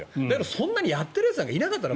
そんなにやってるやつなんかいなかったの。